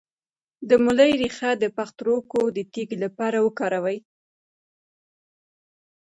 د مولی ریښه د پښتورګو د تیږې لپاره وکاروئ